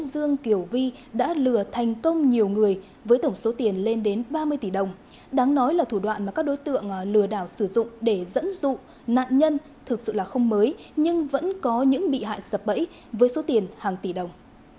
dương kiều vi đã lừa thành công nhiều người với tổng số tiền lên đến ba mươi tỷ đồng đáng nói là thủ đoạn mà các đối tượng lừa đảo sử dụng để dẫn dụ nạn nhân thực sự là không mới nhưng vẫn có những bị hại sập bẫy với số tiền hàng tỷ đồng